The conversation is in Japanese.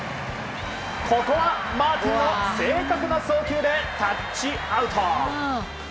ここはマーティンの正確な送球でタッチアウト。